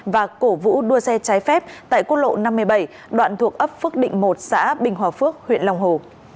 và cổ vũ đua xe trái phép tại quốc lộ năm mươi bảy đoạn thuộc ấp phước định một xã bình hòa phước huyện long hồ